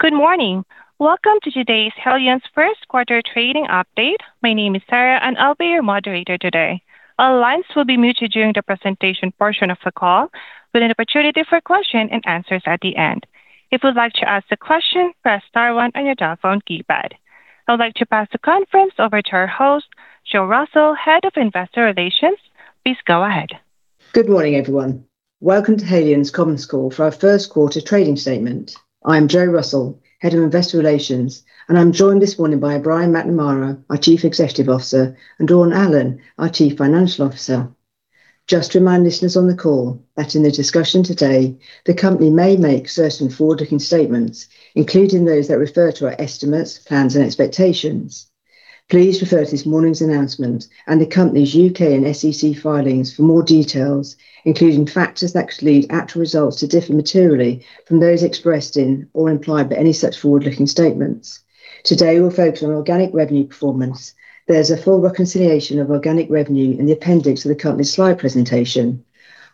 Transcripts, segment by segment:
Good morning. Welcome to today's Haleon's Q1 trading update. My name is Sarah, and I'll be your moderator today. All lines will be muted during the presentation portion of the call with an opportunity for question and answers at the end. If you'd like to ask a question, press star one on your telephone keypad. I'd like to pass the conference over to our host, Joanne Russell, Head of Investor Relations. Please go ahead. Good morning, everyone. Welcome to Haleon's conference call for our Q1 trading statement. I'm Joanne Russell, Head of Investor Relations, and I'm joined this morning by Brian McNamara, our Chief Executive Officer, and Dawn Allen, our Chief Financial Officer. Just to remind listeners on the call that in the discussion today, the company may make certain forward-looking statements, including those that refer to our estimates, plans, and expectations. Please refer to this morning's announcement and the company's U.K. and SEC filings for more details, including factors that could lead actual results to differ materially from those expressed in or implied by any such forward-looking statements. Today we'll focus on organic revenue performance. There's a full reconciliation of organic revenue in the appendix of the company's slide presentation.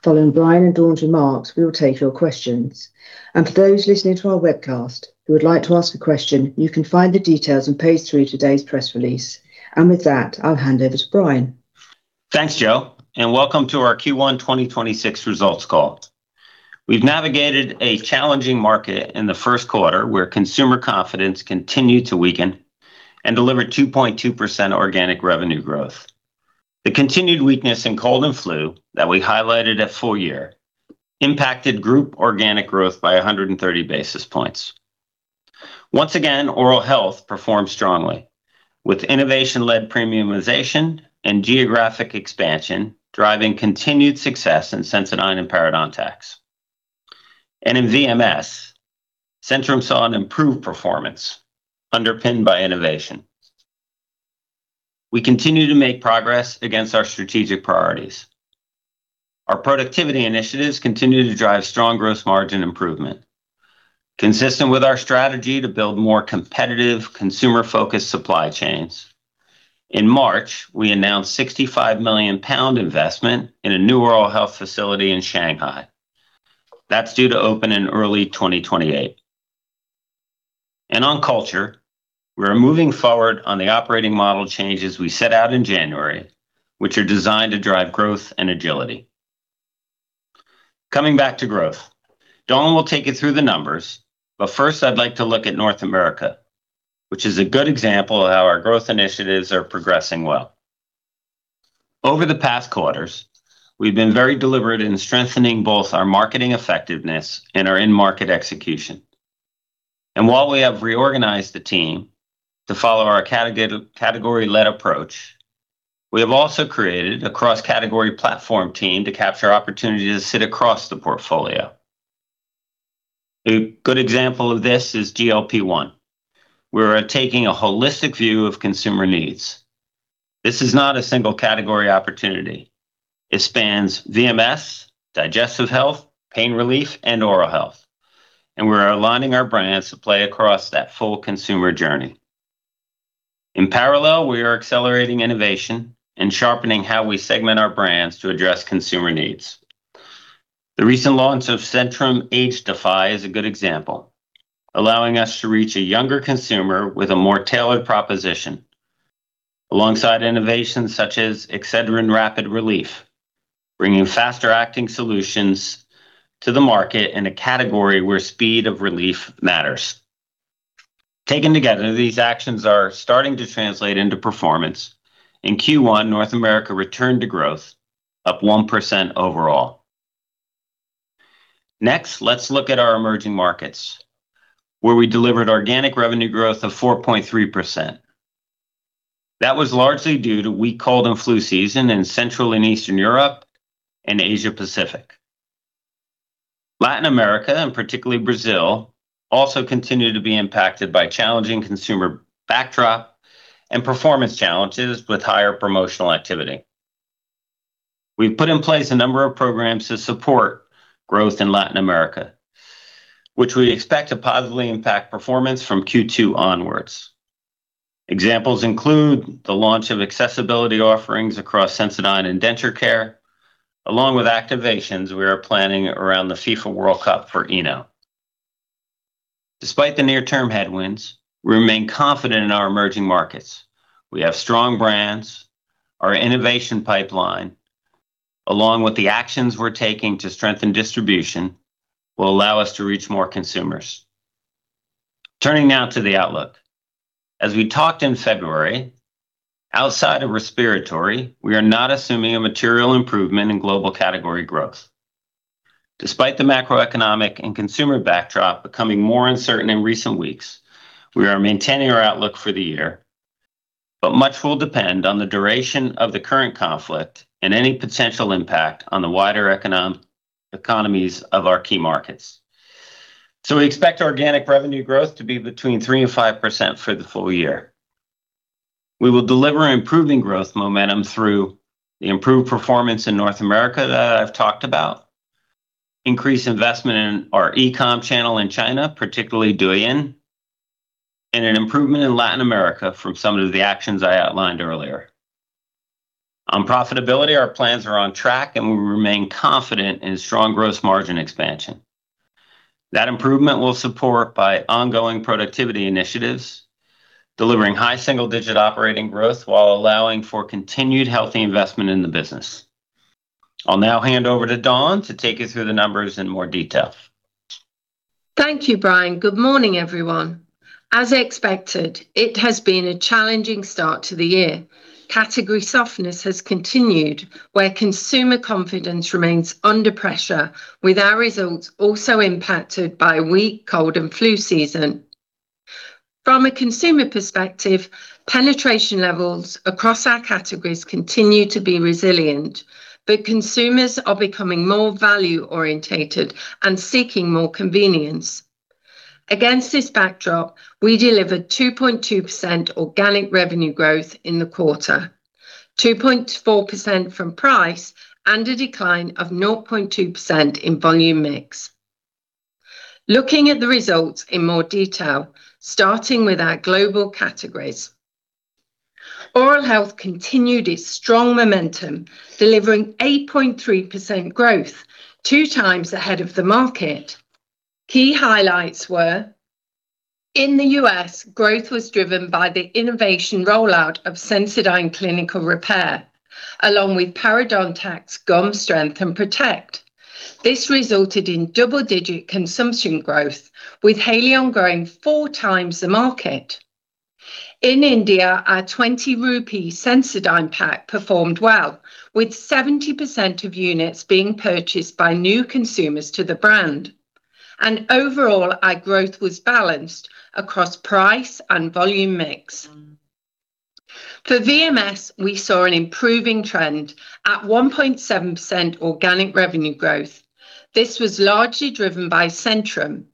Following Brian and Dawn's remarks, we will take your questions. For those listening to our webcast who would like to ask a question, you can find the details on page three of today's press release. With that, I'll hand over to Brian. Thanks, Jo, welcome to our Q1 2026 results call. We've navigated a challenging market in the Q1 where consumer confidence continued to weaken and delivered 2.2% organic revenue growth. The continued weakness in cold and flu that we highlighted at full year impacted group organic growth by 130 basis points. Once again, oral health performed strongly with innovation-led premiumization and geographic expansion, driving continued success in Sensodyne and parodontax. In VMS, Centrum saw an improved performance underpinned by innovation. We continue to make progress against our strategic priorities. Our productivity initiatives continue to drive strong gross margin improvement, consistent with our strategy to build more competitive consumer-focused supply chains. In March, we announced 65 million pound investment in a new oral health facility in Shanghai. That's due to open in early 2028. On culture, we are moving forward on the operating model changes we set out in January, which are designed to drive growth and agility. Coming back to growth, Dawn will take you through the numbers, first I'd like to look at North America, which is a good example of how our growth initiatives are progressing well. Over the past quarters, we've been very deliberate in strengthening both our marketing effectiveness and our in-market execution. While we have reorganized the team to follow our category-led approach, we have also created a cross-category platform team to capture opportunities that sit across the portfolio. A good example of this is GLP-1. We're taking a holistic view of consumer needs. This is not a single category opportunity. It spans VMS, digestive health, pain relief, and oral health, and we're aligning our brands to play across that full consumer journey. In parallel, we are accelerating innovation and sharpening how we segment our brands to address consumer needs. The recent launch of Centrum Age Defy is a good example, allowing us to reach a younger consumer with a more tailored proposition. Alongside innovations such as Excedrin Rapid Relief, bringing faster-acting solutions to the market in a category where speed of relief matters. Taken together, these actions are starting to translate into performance. In Q1, North America returned to growth, up 1% overall. Let's look at our emerging markets, where we delivered organic revenue growth of 4.3%. That was largely due to weak cold and flu season in Central and Eastern Europe and Asia Pacific. Latin America, and particularly Brazil, also continued to be impacted by challenging consumer backdrop and performance challenges with higher promotional activity. We've put in place a number of programs to support growth in Latin America, which we expect to positively impact performance from Q2 onwards. Examples include the launch of accessibility offerings across Sensodyne and Denture Care, along with activations we are planning around the FIFA World Cup for Eno. Despite the near-term headwinds, we remain confident in our emerging markets. We have strong brands. Our innovation pipeline, along with the actions we're taking to strengthen distribution, will allow us to reach more consumers. Turning now to the outlook. As we talked in February, outside of respiratory, we are not assuming a material improvement in global category growth. Despite the macroeconomic and consumer backdrop becoming more uncertain in recent weeks, we are maintaining our outlook for the year. Much will depend on the duration of the current conflict and any potential impact on the wider economies of our key markets. We expect organic revenue growth to be between 3% and 5% for the full year. We will deliver improving growth momentum through the improved performance in North America that I've talked about, increased investment in our eCom channel in China, particularly Douyin, and an improvement in Latin America from some of the actions I outlined earlier. On profitability, our plans are on track, and we remain confident in strong gross margin expansion. That improvement we'll support by ongoing productivity initiatives, delivering high single-digit operating growth while allowing for continued healthy investment in the business. I'll now hand over to Dawn to take you through the numbers in more detail. Thank you, Brian. Good morning, everyone. As expected, it has been a challenging start to the year. Category softness has continued, where consumer confidence remains under pressure, with our results also impacted by weak cold and flu season. From a consumer perspective, penetration levels across our categories continue to be resilient, but consumers are becoming more value-orientated and seeking more convenience. Against this backdrop, we delivered 2.2% organic revenue growth in the quarter, 2.4% from price and a decline of 0.2% in volume mix. Looking at the results in more detail, starting with our global categories. Oral health continued its strong momentum, delivering 8.3% growth, 2x ahead of the market. Key highlights were: in the U.S., growth was driven by the innovation rollout of Sensodyne Clinical Repair, along with parodontax Gum Strengthen & Protect. This resulted in double-digit consumption growth, with Haleon growing four times the market. In India, our 20 rupee Sensodyne pack performed well, with 70% of units being purchased by new consumers to the brand. Overall, our growth was balanced across price and volume mix. For VMS, we saw an improving trend at 1.7% organic revenue growth. This was largely driven by Centrum,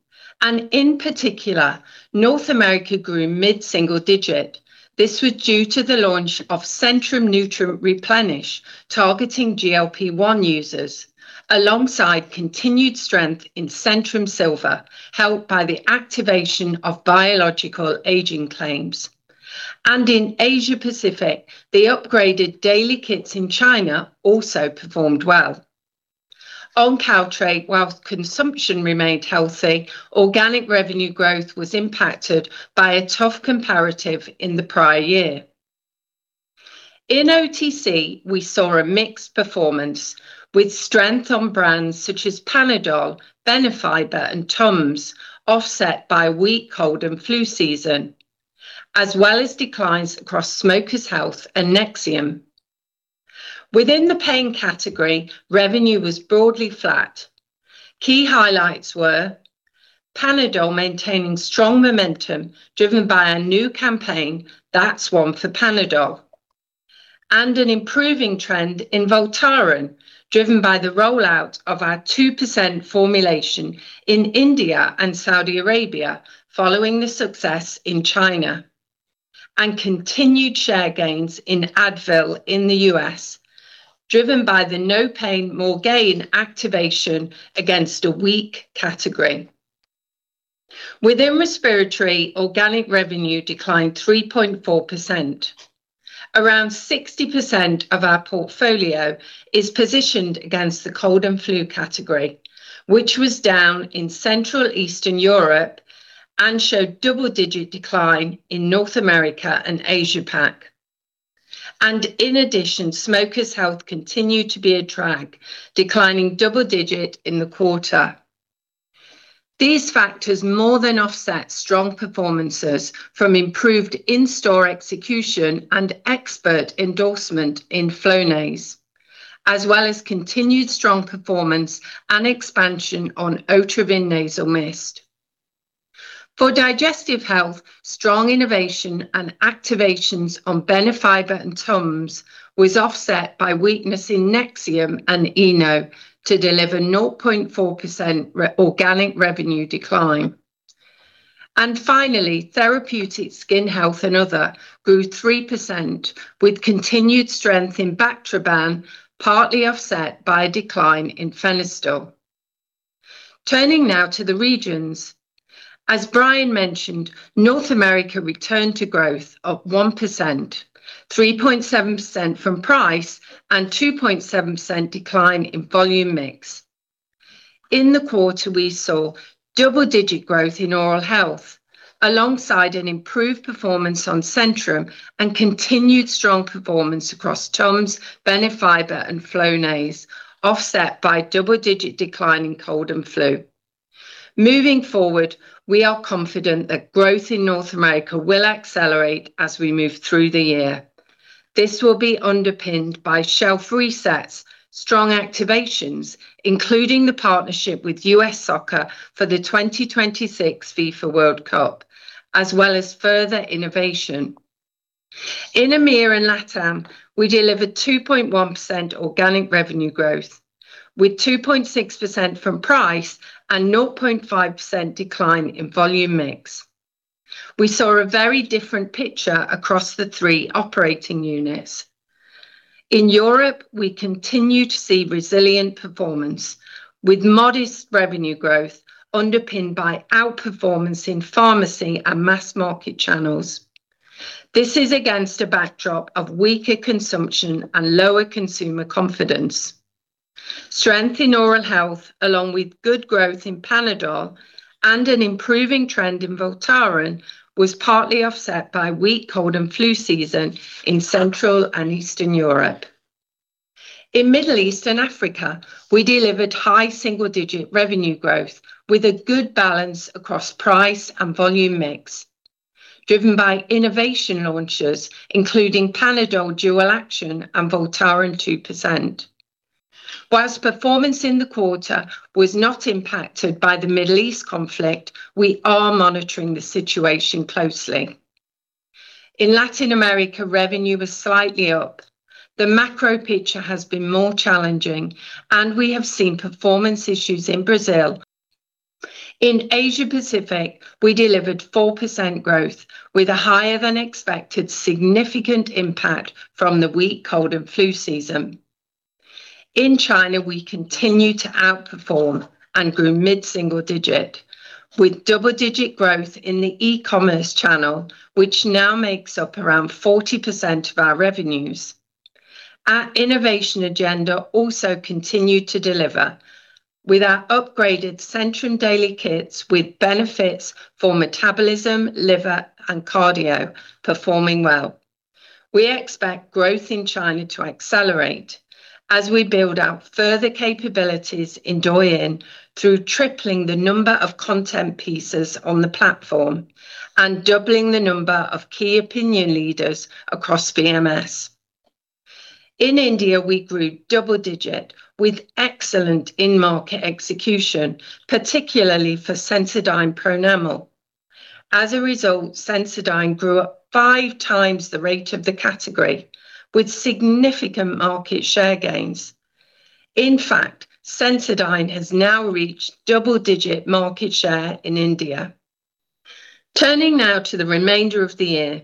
and in particular, North America grew mid-single digit. This was due to the launch of Centrum Nutrient Replenish, targeting GLP-1 users, alongside continued strength in Centrum Silver, helped by the activation of biological aging claims. In Asia Pacific, the upgraded daily kits in China also performed well. On Caltrate, whilst consumption remained healthy, organic revenue growth was impacted by a tough comparative in the prior year. In OTC, we saw a mixed performance, with strength on brands such as Panadol, Benefiber, and Tums offset by weak cold and flu season, as well as declines across Smoker's Health and Nexium. Within the pain category, revenue was broadly flat. Key highlights were Panadol maintaining strong momentum, driven by our new campaign, "That's One for Panadol," and an improving trend in Voltaren, driven by the rollout of our 2% formulation in India and Saudi Arabia following the success in China. Continued share gains in Advil in the U.S., driven by the no pain, more gain activation against a weak category. Within respiratory, organic revenue declined 3.4%. Around 60% of our portfolio is positioned against the cold and flu category, which was down in Central Eastern Europe and showed double-digit decline in North America and Asia-Pac. In addition, Smoker's Health continued to be a drag, declining double-digit in the quarter. These factors more than offset strong performances from improved in-store execution and expert endorsement in Flonase, as well as continued strong performance and expansion on Otrivin nasal mist. For Digestive Health, strong innovation and activations on Benefiber and Tums was offset by weakness in Nexium and Eno to deliver 0.4% organic revenue decline. Finally, Therapeutic Skin Health and other grew 3% with continued strength in Bactroban, partly offset by a decline in Fenistil. Turning now to the regions. As Brian mentioned, North America returned to growth of 1%, 3.7% from price and 2.7% decline in volume mix. In the quarter, we saw double-digit growth in oral health, alongside an improved performance on Centrum and continued strong performance across Tums, Benefiber, and Flonase, offset by double-digit decline in cold and flu. Moving forward, we are confident that growth in North America will accelerate as we move through the year. This will be underpinned by shelf resets, strong activations, including the partnership with U.S. Soccer for the 2026 FIFA World Cup, as well as further innovation. In EMEIA and LATAM, we delivered 2.1% organic revenue growth with 2.6% from price and 0.5% decline in volume mix. We saw a very different picture across the three operating units. In Europe, we continue to see resilient performance with modest revenue growth underpinned by outperformance in pharmacy and mass market channels. This is against a backdrop of weaker consumption and lower consumer confidence. Strength in oral health, along with good growth in Panadol and an improving trend in Voltaren, was partly offset by weak cold and flu season in Central and Eastern Europe. In Middle East and Africa, we delivered high single-digit revenue growth with a good balance across price and volume mix, driven by innovation launches, including Panadol Dual Action and Voltaren 2%. Whilst performance in the quarter was not impacted by the Middle East conflict, we are monitoring the situation closely. In Latin America, revenue was slightly up. The macro picture has been more challenging, and we have seen performance issues in Brazil. In Asia Pacific, we delivered 4% growth with a higher-than-expected significant impact from the weak cold and flu season. In China, we continue to outperform and grew mid-single digit with double-digit growth in the eCom channel, which now makes up around 40% of our revenues. Our innovation agenda also continued to deliver with our upgraded Centrum daily kits with benefits for metabolism, liver, and cardio performing well. We expect growth in China to accelerate as we build out further capabilities in Douyin through tripling the number of content pieces on the platform and doubling the number of key opinion leaders across VMS. In India, we grew double digit with excellent in-market execution, particularly for Sensodyne Pronamel. As a result, Sensodyne grew at five times the rate of the category with significant market share gains. In fact, Sensodyne has now reached double-digit market share in India. Turning now to the remainder of the year,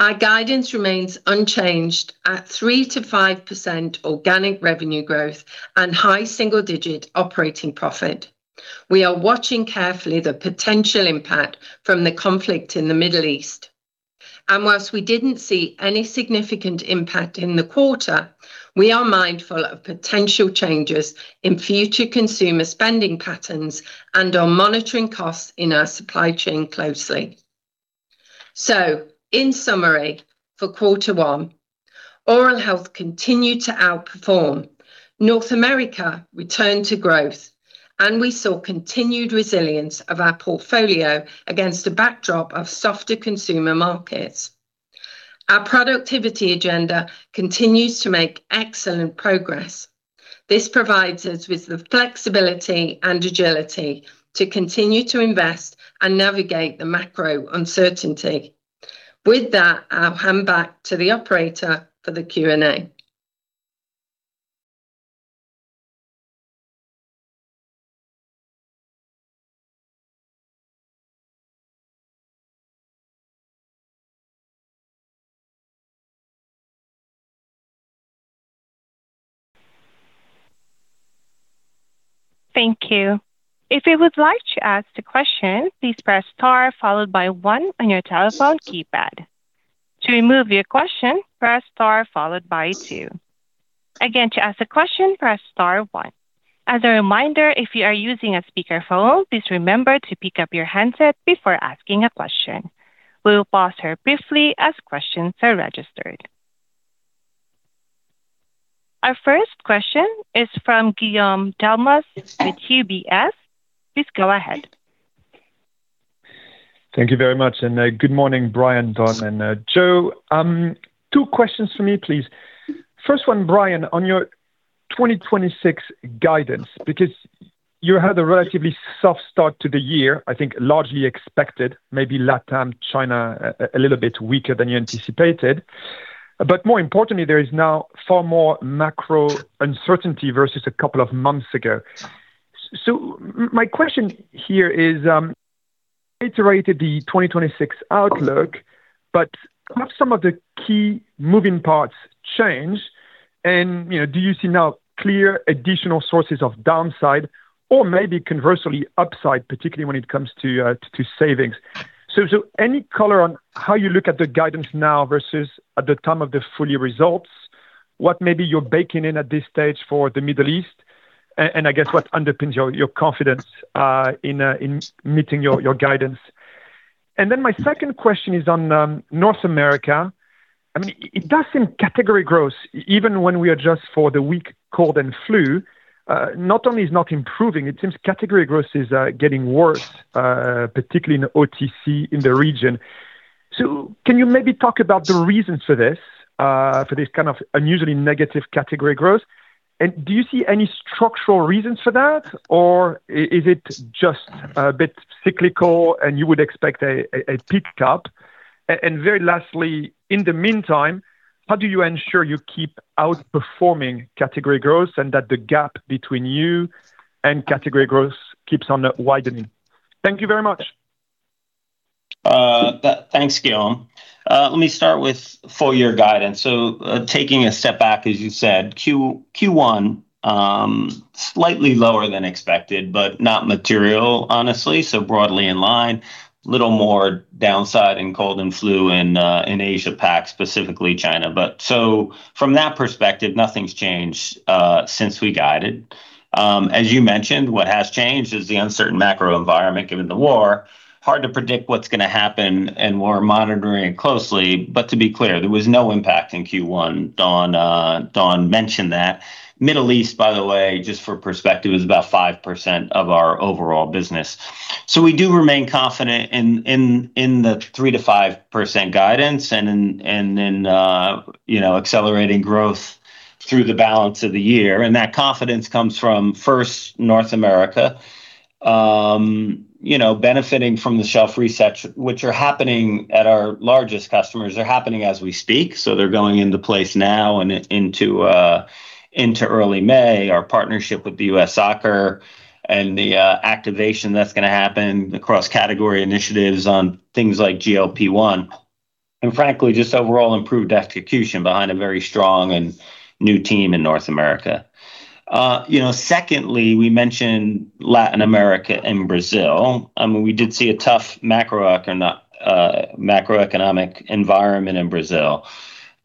our guidance remains unchanged at 3%-5% organic revenue growth and high single-digit operating profit. We are watching carefully the potential impact from the conflict in the Middle East. Whilst we didn't see any significant impact in the quarter, we are mindful of potential changes in future consumer spending patterns and are monitoring costs in our supply chain closely. In summary, for Q1, oral health continued to outperform. North America returned to growth, and we saw continued resilience of our portfolio against a backdrop of softer consumer markets. Our productivity agenda continues to make excellent progress. This provides us with the flexibility and agility to continue to invest and navigate the macro uncertainty. With that, I'll hand back to the operator for the Q&A. Thank you. Our first question is from Guillaume Delmas with UBS. Please go ahead. Thank you very much. Good morning, Brian, Dawn, and Joanne. Two questions from me, please. First one, Brian, on your 2026 guidance, because you had a relatively soft start to the year, I think largely expected, maybe LatAm, China a little bit weaker than you anticipated. More importantly, there is now far more macro uncertainty versus a couple of months ago. My question here is, iterated the 2026 outlook, but have some of the key moving parts changed? You know, do you see now clear additional sources of downside or maybe conversely upside, particularly when it comes to savings? Any color on how you look at the guidance now versus at the time of the full-year results, what maybe you're baking in at this stage for the Middle East, and I guess what underpins your confidence in meeting your guidance? My second question is on North America. I mean, it does seem category growth, even when we adjust for the weak cold and flu, not only is not improving, it seems category growth is getting worse, particularly in the OTC in the region. Can you maybe talk about the reasons for this for this kind of unusually negative category growth? Do you see any structural reasons for that, or is it just a bit cyclical and you would expect a pick-up? Very lastly, in the meantime, how do you ensure you keep outperforming category growth and that the gap between you and category growth keeps on widening? Thank you very much. Thanks, Guillaume. Let me start with full-year guidance. Taking a step back, as you said, Q1. Slightly lower than expected, but not material, honestly. Broadly in line. Little more downside in cold and flu in Asia Pac, specifically China. From that perspective, nothing's changed since we guided. As you mentioned, what has changed is the uncertain macro environment, given the war. Hard to predict what's gonna happen, and we're monitoring it closely. To be clear, there was no impact in Q1. Dawn mentioned that. Middle East, by the way, just for perspective, is about 5% of our overall business. We do remain confident in the 3%-5% guidance and in, you know, accelerating growth through the balance of the year. That confidence comes from, first, North America. You know, benefiting from the shelf resets, which are happening at our largest customers. They're happening as we speak, they're going into place now and into early May. Our partnership with the U.S. Soccer and the activation that's going to happen across category initiatives on things like GLP-1. Frankly, just overall improved execution behind a very strong and new team in North America. You know, secondly, we mentioned Latin America and Brazil. I mean, we did see a tough macroeconomic environment in Brazil.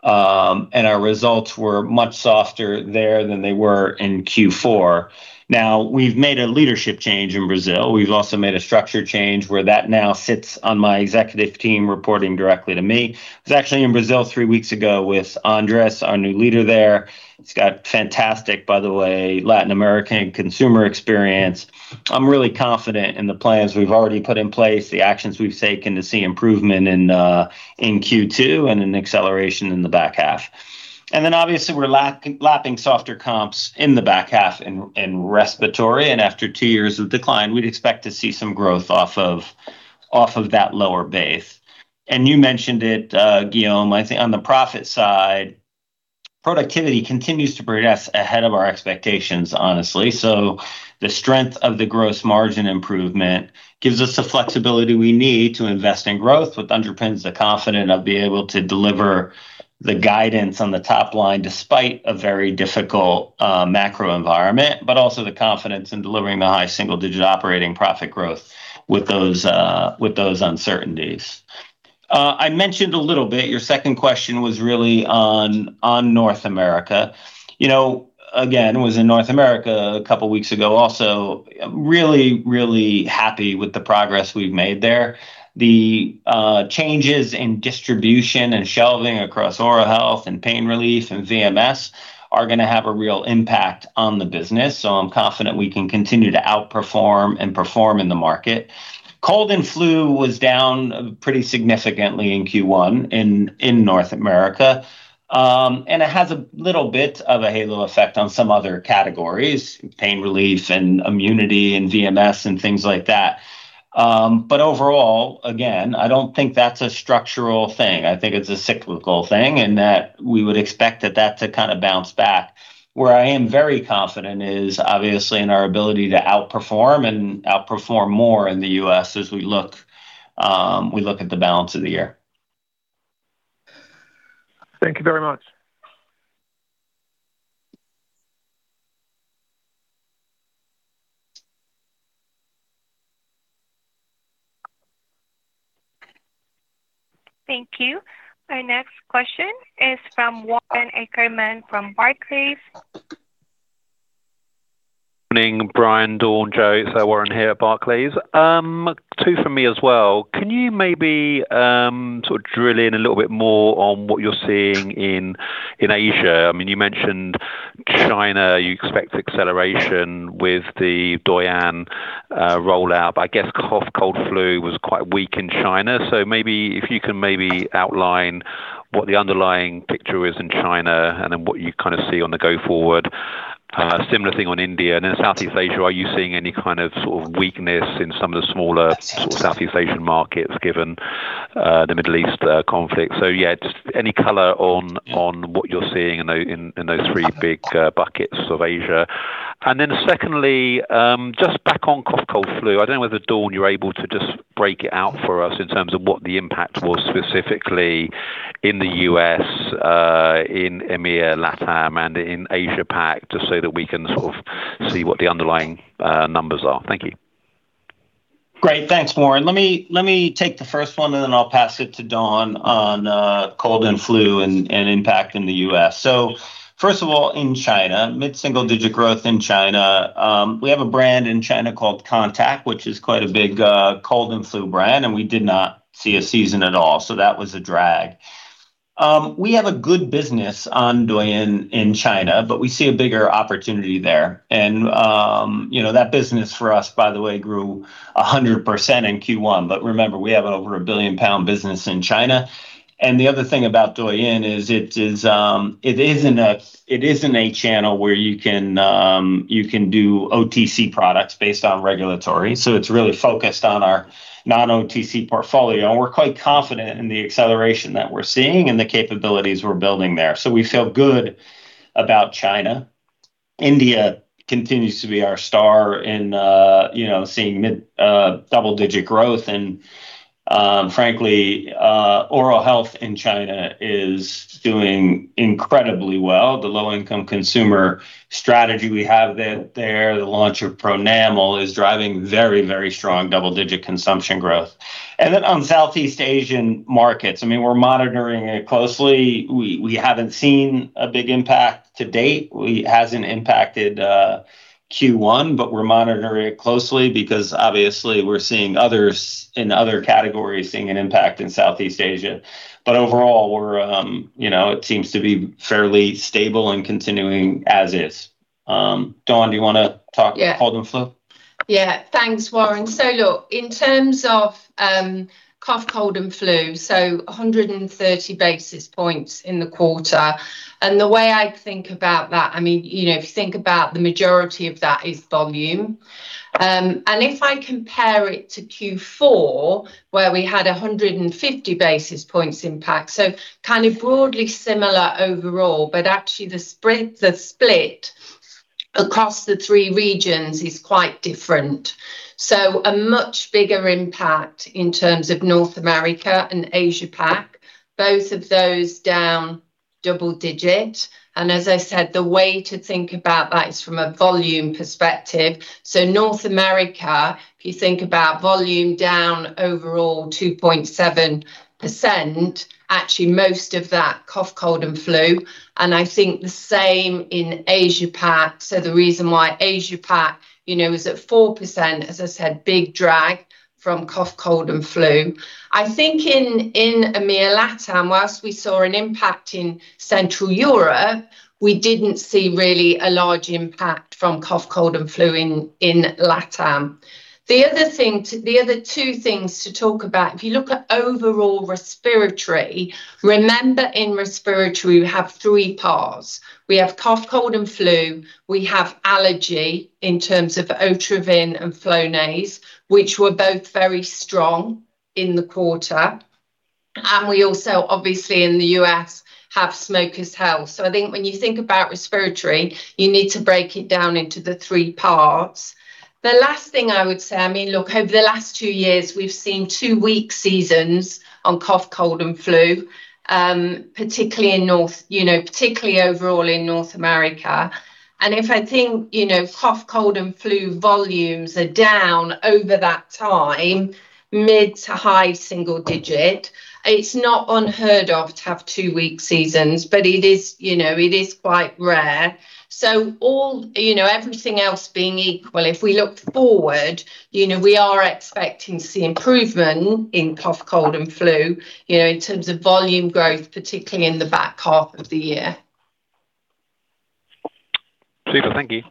Our results were much softer there than they were in Q4. Now, we've made a leadership change in Brazil. We've also made a structure change where that now sits on my executive team, reporting directly to me. I was actually in Brazil three weeks ago with Andrés, our new leader there. He's got fantastic, by the way, Latin American consumer experience. I'm really confident in the plans we've already put in place, the actions we've taken to see improvement in Q2 and an acceleration in the back half. Then obviously we're lapping softer comps in the back half in respiratory, and after two years of decline, we'd expect to see some growth off of that lower base. You mentioned it, Guillaume, I think on the profit side, productivity continues to progress ahead of our expectations, honestly. The strength of the gross margin improvement gives us the flexibility we need to invest in growth, which underpins the confidence of being able to deliver the guidance on the top line despite a very difficult macro environment, also the confidence in delivering the high single-digit operating profit growth with those uncertainties. I mentioned a little bit, your second question was really on North America. You know, again, was in North America a couple weeks ago also. Really, really happy with the progress we've made there. The changes in distribution and shelving across oral health and pain relief and VMS are gonna have a real impact on the business, so I'm confident we can continue to outperform and perform in the market. Cold and flu was down pretty significantly in Q1 in North America. It has a little bit of a halo effect on some other categories, pain relief and immunity and VMS and things like that. Overall, again, I don't think that's a structural thing. I think it's a cyclical thing, and that we would expect that to kind of bounce back. Where I am very confident is obviously in our ability to outperform and outperform more in the U.S. as we look at the balance of the year. Thank you very much. Thank you. Our next question is from Warren Ackerman from Barclays. Morning, Brian, Dawn, Joe. It's, Warren here at Barclays. Two from me as well. Can you maybe, sort of drill in a little bit more on what you're seeing in Asia? I mean, you mentioned China, you expect acceleration with the Douyin, rollout. I guess cough, cold, flu was quite weak in China. Maybe if you can maybe outline what the underlying picture is in China and then what you kind of see on the go forward. Similar thing on India. Southeast Asia, are you seeing any kind of sort of weakness in some of the smaller sort of Southeast Asian markets given, the Middle East, conflict? Yeah, just any color on what you're seeing in those three big, buckets of Asia. Secondly, just back on cough, cold, flu. I don't know whether, Dawn, you're able to just break it out for us in terms of what the impact was specifically in the U.S., in EMEA, LatAm and in Asia Pac, just so that we can sort of see what the underlying numbers are. Thank you. Great. Thanks, Warren. Let me take the first one, and then I'll pass it to Dawn on cold and flu and impact in the U.S. First of all, in China, mid-single-digit growth in China. We have a brand in China called Contac, which is quite a big cold and flu brand, and we did not see a season at all, so that was a drag. We have a good business on Douyin in China, but we see a bigger opportunity there. You know, that business for us, by the way, grew 100% in Q1. Remember, we have over a billion-pound business in China. The other thing about Douyin is it is in a channel where you can do OTC products based on regulatory, so it's really focused on our non-OTC portfolio, and we're quite confident in the acceleration that we're seeing and the capabilities we're building there. We feel good about China. India continues to be our star in, you know, seeing double-digit growth and frankly, oral health in China is doing incredibly well. The low-income consumer strategy we have there, the launch of Pronamel is driving very, very strong double-digit consumption growth. On Southeast Asian markets, I mean, we're monitoring it closely. We haven't seen a big impact to date. It hasn't impacted Q1, but we're monitoring it closely because obviously we're seeing others in other categories seeing an impact in Southeast Asia. Overall, we're, you know, it seems to be fairly stable and continuing as is. Dawn, do you wanna talk? Yeah.... cough and flu? Yeah. Thanks, Warren. Look, in terms of cough, cold, and flu, 130 basis points in the quarter. The way I think about that, I mean, you know, if you think about the majority of that is volume. If I compare it to Q4, where we had 150 basis points impact, so kind of broadly similar overall, but actually the spread, the split across the three regions is quite different. A much bigger impact in terms of North America and Asia-Pac, both of those down double digit. As I said, the way to think about that is from a volume perspective. North America, if you think about volume down overall 2.7%, actually most of that, cough, cold, and flu, and I think the same in Asia-Pac. The reason why Asia-Pac, you know, is at 4%, as I said, big drag from cough, cold, and flu. I think in EMEA, LATAM, whilst we saw an impact in Central Europe, we didn't see really a large impact from cough, cold, and flu in LATAM. The other two things to talk about, if you look at overall respiratory, remember in respiratory, we have three parts. We have cough, cold, and flu, we have allergy in terms of Otrivin and Flonase, which were both very strong in the quarter, and we also obviously in the U.S. have smokers health. I think when you think about respiratory, you need to break it down into the three parts. The last thing I would say, I mean, look, over the last two years, we've seen two weak seasons on cough, cold, and flu, particularly in North, you know, particularly overall in North America. If I think, you know, cough, cold, and flu volumes are down over that time, mid to high single-digit, it's not unheard of to have two weak seasons, but it is, you know, it is quite rare. All, you know, everything else being equal, if we look forward, you know, we are expecting to see improvement in cough, cold, and flu, you know, in terms of volume growth, particularly in the back half of the year. Super. Thank you.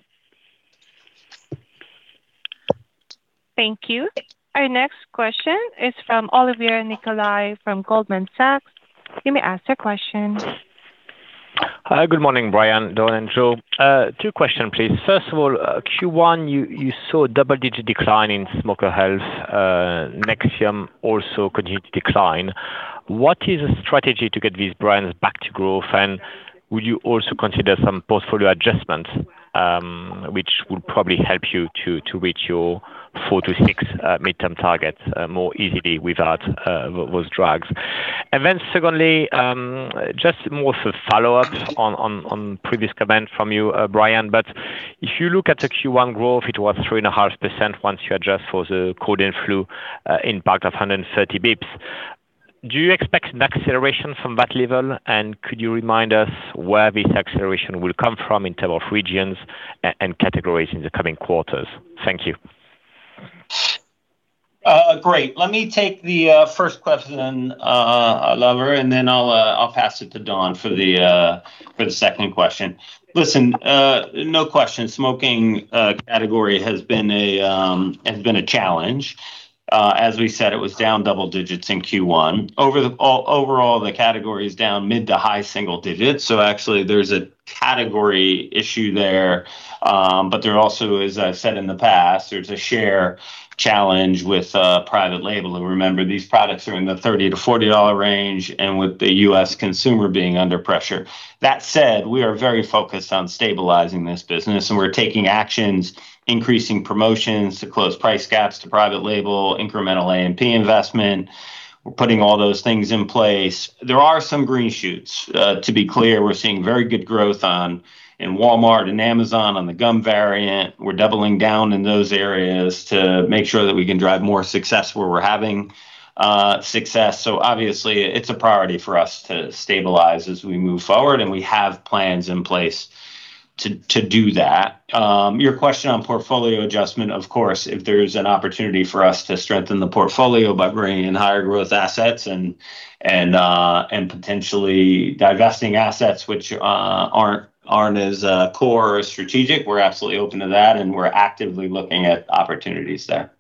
Thank you. Our next question is from Olivier Nicolai, from Goldman Sachs. You may ask your question. Hi, good morning, Brian, Dawn, and Joe. Two questions, please. First of all, Q1, you saw double-digit decline in smoker health. Nexium also continued to decline. What is the strategy to get these brands back to growth? Would you also consider some portfolio adjustments, which would probably help you to reach your 4-6 midterm targets more easily without those drags? Secondly, just more for follow-up on previous comment from you, Brian, if you look at the Q1 growth, it was 3.5% once you adjust for the cold and flu impact of 130 basis points. Do you expect an acceleration from that level? Could you remind us where this acceleration will come from in terms of regions and categories in the coming quarters? Thank you. Great. Let me take the first question, Olivier, and then I'll pass it to Dawn for the second question. Listen, no question, smoking category has been a challenge. As we said, it was down double digits in Q1. Overall, the category is down mid to high single digits, so actually there's a category issue there, but there also, as I said in the past, there's a share challenge with private label. Remember, these products are in the $30-$40 range, and with the U.S. consumer being under pressure. That said, we are very focused on stabilizing this business, and we're taking actions, increasing promotions to close price gaps to private label, incremental A&P investment. We're putting all those things in place. There are some green shoots. To be clear, we're seeing very good growth on in Walmart and Amazon on the gum variant. We're doubling down in those areas to make sure that we can drive more success where we're having success. Obviously, it's a priority for us to stabilize as we move forward, and we have plans in place to do that. Your question on portfolio adjustment, of course, if there's an opportunity for us to strengthen the portfolio by bringing in higher growth assets and potentially divesting assets which aren't as core or strategic, we're absolutely open to that, and we're actively looking at opportunities there.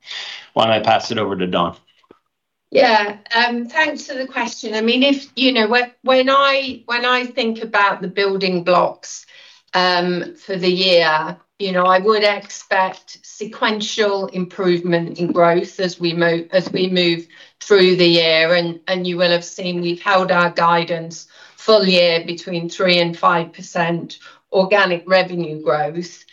Why don't I pass it over to Dawn? Yeah. Thanks for the question. I mean, if, you know, when I, when I think about the building blocks for the year, you know, I would expect sequential improvement in growth as we move through the year. You will have seen we've held our guidance full year between 3%-5% organic revenue growth.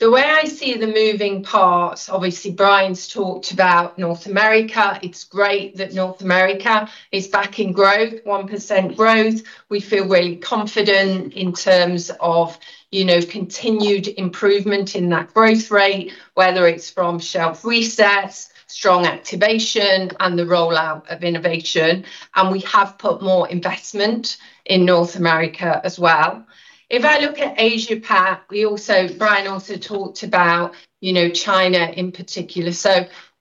The way I see the moving parts, obviously Brian's talked about North America. It's great that North America is back in growth, 1% growth. We feel really confident in terms of, you know, continued improvement in that growth rate, whether it's from shelf resets, strong activation, and the rollout of innovation. We have put more investment in North America as well. If I look at Asia-Pac, Brian also talked about, you know, China in particular.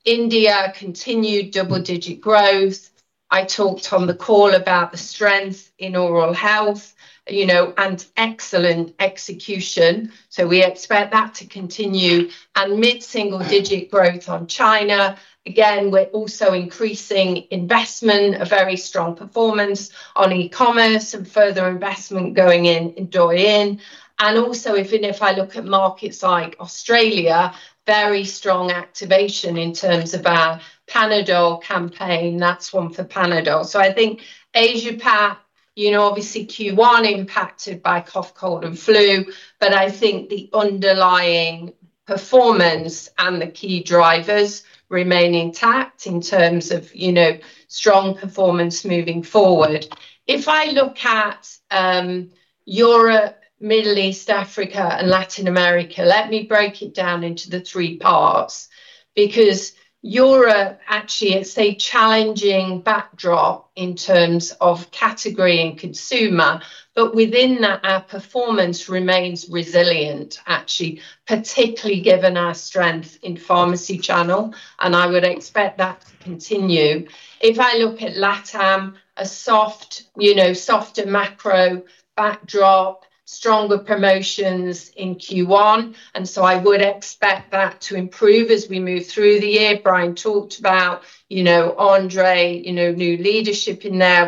India continued double-digit growth. I talked on the call about the strength in oral health, you know, and excellent execution, we expect that to continue, and mid-single digit growth on China. We're also increasing investment, a very strong performance on e-commerce and further investment going in Douyin. Also even if I look at markets like Australia, very strong activation in terms of our Panadol campaign. That's One for Panadol. I think Asia-Pac, you know, obviously Q1 impacted by cough, cold, and flu, I think the underlying performance and the key drivers remain intact in terms of, you know, strong performance moving forward. If I look at Europe, Middle East, Africa, and Latin America, let me break it down into the three parts because Europe actually it's a challenging backdrop in terms of category and consumer. Within that, our performance remains resilient, actually, particularly given our strength in pharmacy channel, and I would expect that to continue. If I look at LATAM, a soft, you know, softer macro backdrop, stronger promotions in Q1. So I would expect that to improve as we move through the year. Brian talked about, you know, Andrés, you know, new leadership in there.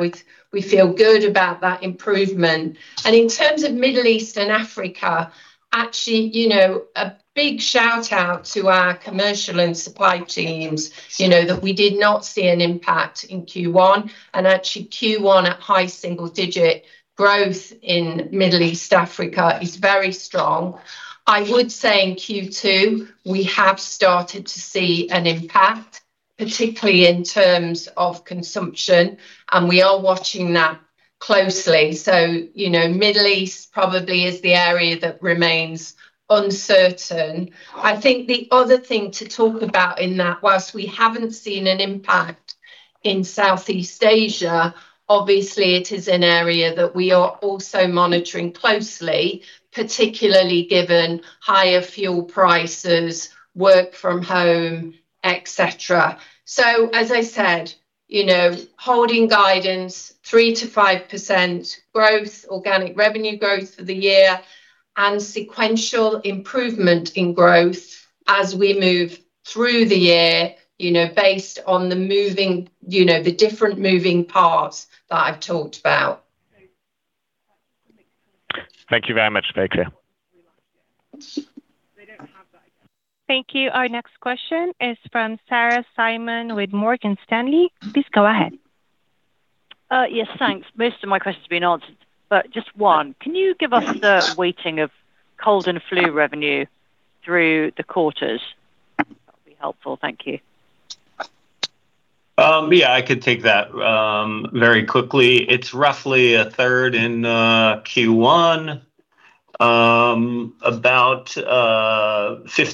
We feel good about that improvement. In terms of Middle East and Africa, actually, you know, a big shout-out to our commercial and supply teams, you know, that we did not see an impact in Q1. Actually, Q1 at high single-digit growth in Middle East and Africa is very strong. I would say in Q2, we have started to see an impact, particularly in terms of consumption, and we are watching that closely. You know, Middle East probably is the area that remains uncertain. I think the other thing to talk about in that, whilst we haven't seen an impact in Southeast Asia, obviously it is an area that we are also monitoring closely, particularly given higher fuel prices, work from home, et cetera. As I said, you know, holding guidance, 3%-5% growth, organic revenue growth for the year, and sequential improvement in growth as we move through the year, you know, based on the moving, you know, the different moving parts that I've talked about. Thank you very much, Victoria. Thank you. Our next question is from Sarah Simon with Morgan Stanley. Please go ahead. Yes, thanks. Most of my questions have been answered, but just one. Can you give us the weighting of cold and flu revenue through the quarters? That'd be helpful. Thank you. Yeah, I could take that very quickly. It's roughly a third in Q1, about 15%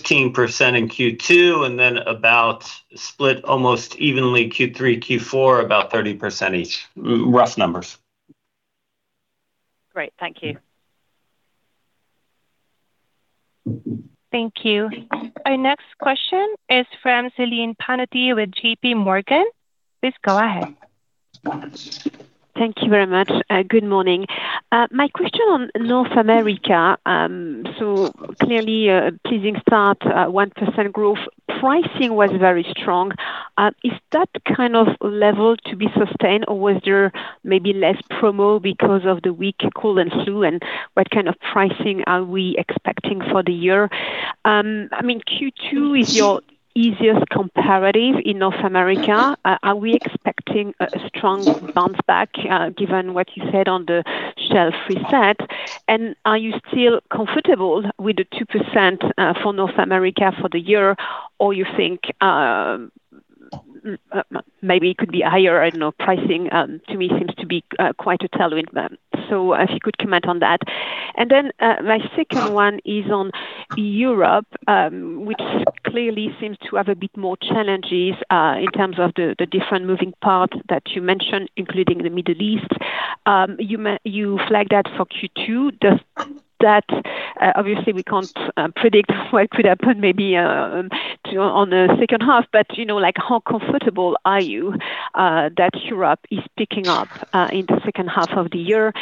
in Q2, and then about split almost evenly Q3, Q4, about 30% each. Rough numbers. Great. Thank you. Thank you. Our next question is from Celine Pannuti with JPMorgan. Please go ahead. Thank you very much. Good morning. My question on North America. Clearly a pleasing start, 1% growth. Pricing was very strong. Is that kind of level to be sustained or was there maybe less promo because of the weak cold and flu, and what kind of pricing are we expecting for the year? I mean, Q2 is your easiest comparative in North America. Are we expecting a strong bounce back, given what you said on the shelf reset? Are you still comfortable with the 2%, for North America for the year, or you think, maybe it could be higher? I don't know. Pricing, to me seems to be, quite a tailwind then. If you could comment on that. My second one is on Europe, which clearly seems to have a bit more challenges in terms of the different moving parts that you mentioned, including the Middle East. You flagged that for Q2. Does that, obviously we can't predict what could happen maybe, you know, on the second half. You know, like, how comfortable are you that Europe is picking up in the second half of the year?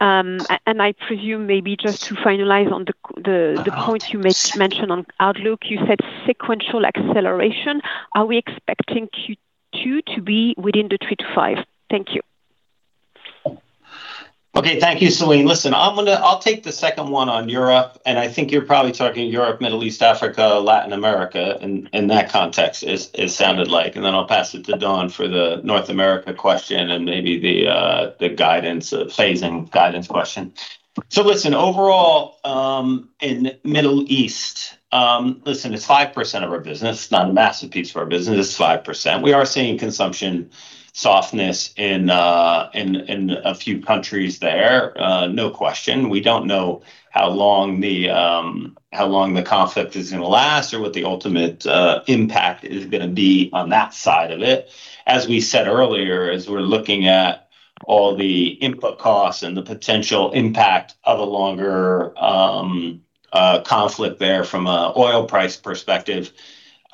I presume maybe just to finalize on the point you mentioned on outlook, you said sequential acceleration. Are we expecting Q2 to be within the 3%-5%? Thank you. Okay, thank you, Celine. I'll take the second one on Europe, and I think you're probably talking Europe, Middle East, Africa, Latin America, in that context, it sounded like. I'll pass it to Dawn for the North America question and maybe the guidance phasing guidance question. Overall, in Middle East, it's 5% of our business. It's not a massive piece of our business. It's 5%. We are seeing consumption softness in a few countries there, no question. We don't know how long the conflict is gonna last or what the ultimate impact is gonna be on that side of it. As we said earlier, as we're looking at all the input costs and the potential impact of a longer, a oil price perspective,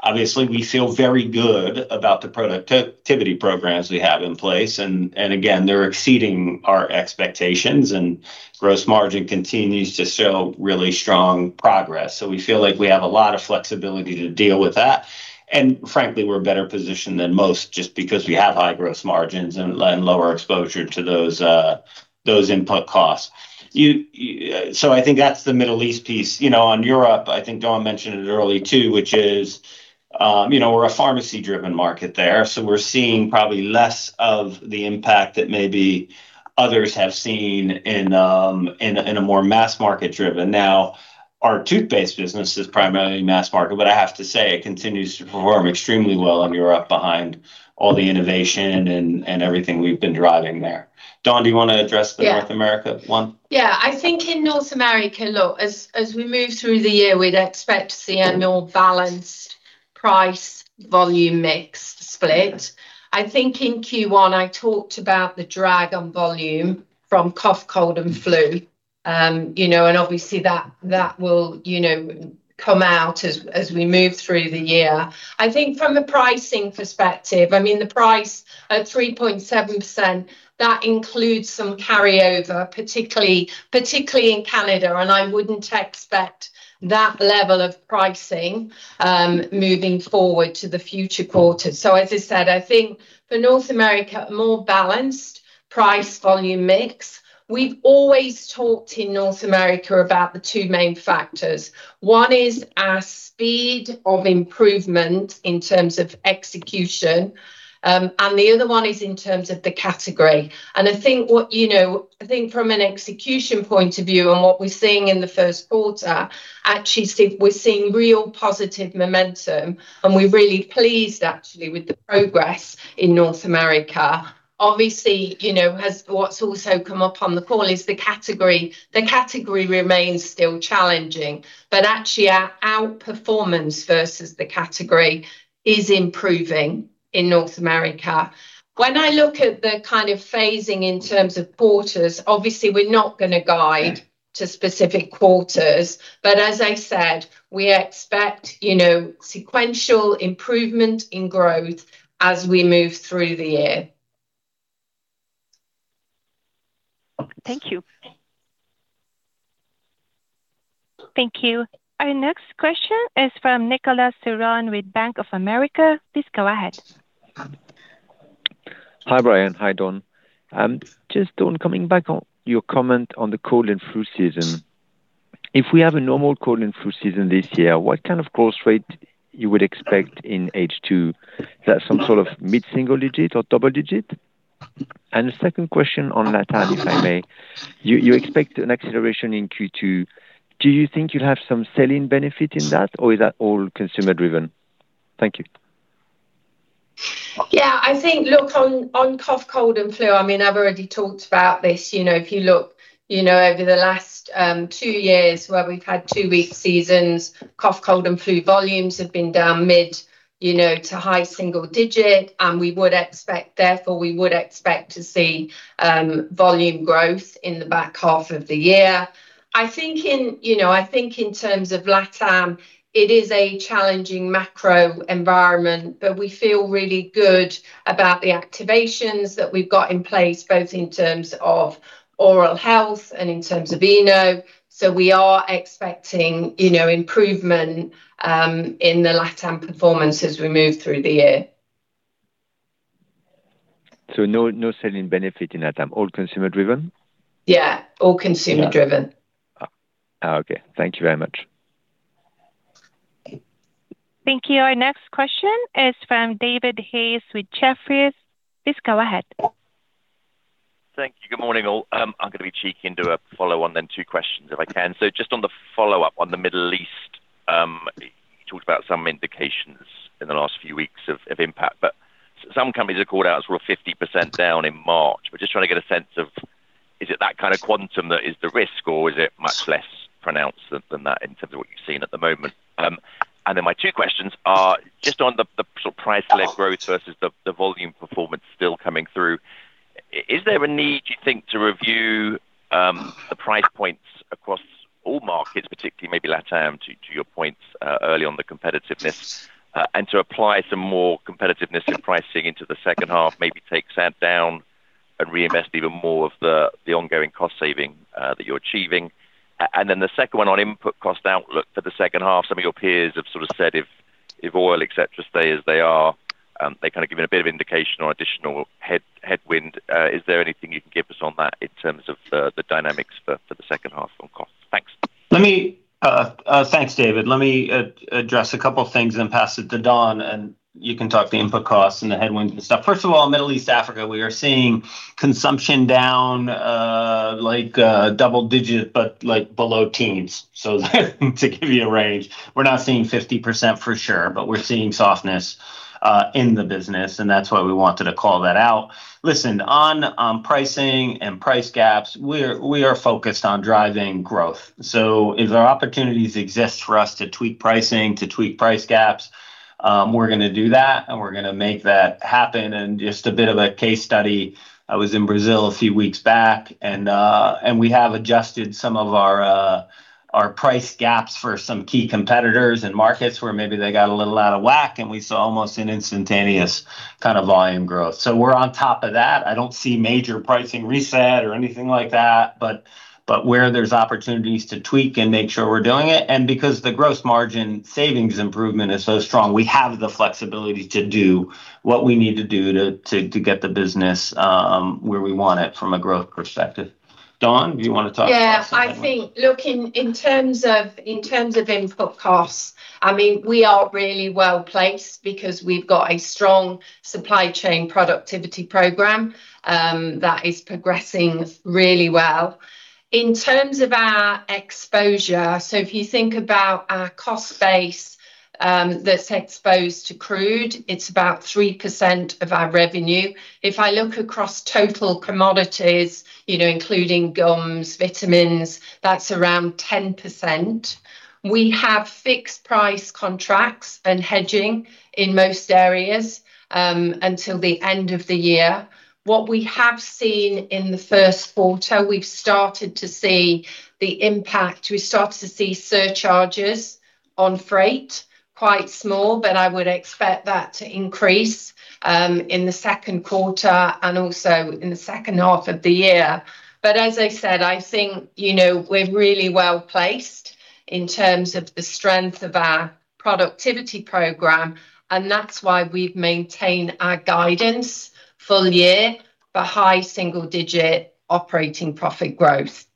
obviously we feel very good about the productivity programs we have in place. Again, they're exceeding our expectations, and gross margin continues to show really strong progress. We feel like we have a lot of flexibility to deal with that. Frankly, we're better positioned than most just because we have high gross margins and lower exposure to those input costs. I think that's the Middle East piece. On Europe, I think Dawn mentioned it earlier too, which is, you know, we're a pharmacy-driven market there, so we're seeing probably less of the impact that maybe others have seen in a, in a more mass market driven. Our toothpaste business is primarily mass market, but I have to say it continues to perform extremely well in Europe behind all the innovation and everything we've been driving there. Dawn, do you wanna address the North America one? I think in North America, look, as we move through the year, we'd expect to see a more balanced price volume mix split. I think in Q1, I talked about the drag on volume from cough, cold, and flu. You know, obviously that will, you know, come out as we move through the year. I think from a pricing perspective, I mean, the price at 3.7%, that includes some carryover, particularly in Canada, I wouldn't expect that level of pricing moving forward to the future quarters. As I said, I think for North America, more balanced price volume mix. We've always talked in North America about the two main factors. One is our speed of improvement in terms of execution, and the other one is in terms of the category. I think what, you know, I think from an execution point of view on what we're seeing in the Q1, actually we're seeing real positive momentum, and we're really pleased actually with the progress in North America. Obviously, you know, as what's also come up on the call is the category. The category remains still challenging, but actually our performance versus the category is improving in North America. When I look at the kind of phasing in terms of quarters, obviously we're not gonna guide to specific quarters. As I said, we expect, you know, sequential improvement in growth as we move through the year. Thank you. Thank you. Our next question is from Nicholas Turon with Bank of America. Please go ahead. Hi, Brian. Hi, Dawn. Dawn, coming back on your comment on the cold and flu season. If we have a normal cold and flu season this year, what kind of growth rate you would expect in H2? That some sort of mid-single digit or double digit? The second question on LatAm, if I may. You expect an acceleration in Q2. Do you think you'll have some selling benefit in that, or is that all consumer driven? Thank you. Yeah. I think, look, on cough, cold, and flu, I mean, I've already talked about this. You know, if you look, you know, over the last two years where we've had two weak seasons, cough, cold, and flu volumes have been down mid, you know, to high single digit. We would expect, therefore, to see volume growth in the back half of the year. I think in, you know, I think in terms of LatAm, it is a challenging macro environment, but we feel really good about the activations that we've got in place, both in terms of oral health and in terms of Eno. We are expecting, you know, improvement in the LatAm performance as we move through the year. No, no selling benefit in LatAm? All consumer driven? Yeah. All consumer driven. Okay. Thank you very much. Thank you. Our next question is from David Hayes with Jefferies. Please go ahead. Thank you. Good morning, all. I'm going to be cheeky and do a follow-on, then two questions if I can. Just on the follow-up on the Middle East, you talked about some indications in the last few weeks of impact. Some companies have called out sort of 50% down in March. We're just trying to get a sense of, is it that kind of quantum that is the risk, or is it much less pronounced than that in terms of what you've seen at the moment? My two questions are just on the sort of price led growth versus the volume performance still coming through. Is there a need, do you think, to review the price points across all markets, particularly maybe LatAm, to your points early on the competitiveness, and to apply some more competitiveness in pricing into the second half, maybe take SAD down and reinvest even more of the ongoing cost saving that you're achieving? And then the second one on input cost outlook for the second half. Some of your peers have sort of said if. If oil, et cetera, stay as they are, they kinda give it a bit of indication or additional headwind. Is there anything you can give us on that in terms of the dynamics for the second half on cost? Thanks. Thanks, David. Let me address a couple of things and pass it to Dawn, and you can talk the input costs and the headwind and stuff. First of all, Middle East Africa, we are seeing consumption down, like double-digit, but like, below teens, so to give you a range. We're not seeing 50% for sure, but we're seeing softness in the business, and that's why we wanted to call that out. Listen, on pricing and price gaps, we are focused on driving growth. If there are opportunities exist for us to tweak pricing, to tweak price gaps, we're gonna do that, and we're gonna make that happen. Just a bit of a case study, I was in Brazil a few weeks back, and we have adjusted some of our price gaps for some key competitors and markets where maybe they got a little out of whack, and we saw almost an instantaneous kind of volume growth. We're on top of that. I don't see major pricing reset or anything like that, but where there's opportunities to tweak and make sure we're doing it. Because the gross margin savings improvement is so strong, we have the flexibility to do what we need to do to get the business where we want it from a growth perspective. Dawn, do you wanna talk. Yeah. I think, look, in terms of input costs, I mean, we are really well-placed because we've got a strong supply chain productivity program that is progressing really well. In terms of our exposure, so if you think about our cost base that's exposed to crude, it's about 3% of our revenue. If I look across total commodities, you know, including gums, vitamins, that's around 10%. We have fixed price contracts and hedging in most areas until the end of the year. What we have seen in the Q1, we've started to see the impact. We started to see surcharges on freight, quite small, but I would expect that to increase in the Q2 and also in the second half of the year. As I said, I think, you know, we're really well-placed in terms of the strength of our productivity program, and that's why we've maintained our guidance full year for high single digit operating profit growth.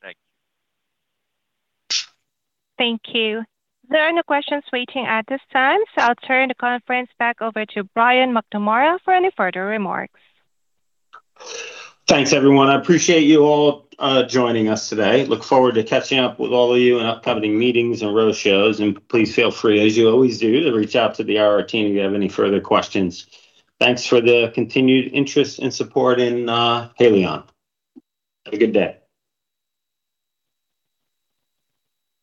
Thank you. Thank you. There are no questions waiting at this time. I'll turn the conference back over to Brian McNamara for any further remarks. Thanks, everyone. I appreciate you all, joining us today. Look forward to catching up with all of you in upcoming meetings and roadshows. Please feel free, as you always do, to reach out to the IR team if you have any further questions. Thanks for the continued interest and support in Haleon. Have a good day.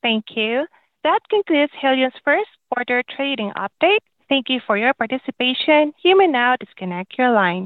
Thank you. That concludes Haleon's Q1 trading update. Thank you for your participation. You may now disconnect your line.